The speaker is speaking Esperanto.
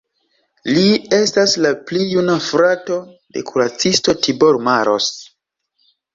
Li estas la pli juna frato de kuracisto Tibor Maros.